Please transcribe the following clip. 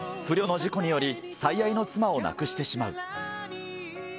不慮の事故により、最愛の妻を亡くしてしまう。